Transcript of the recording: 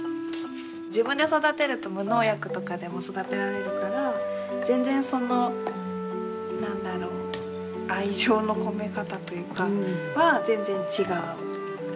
自分で育てると無農薬とかでも育てられるから全然その何だろう愛情の込め方というかは全然違う。